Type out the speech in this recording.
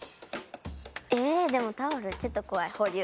えでもタオルちょっと怖い。